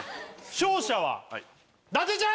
勝者は伊達ちゃん！